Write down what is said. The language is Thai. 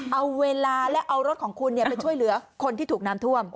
เอาเวลาและเอารถของคุณไปช่วยเหลือคนที่ถูกน้ำท่วม